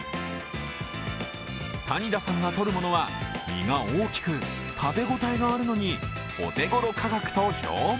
谷田さんがとるものは身が大きく食べ応えがあるのにお手頃価格と評判。